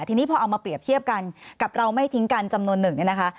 ทีนี้พอเอามาเปรียบเทียบกันกับเราไม่ทิ้งกันจำนวนหนึ่งเนี่ยนะคะ